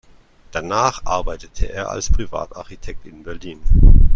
Danach arbeitete er als Privatarchitekt in Berlin.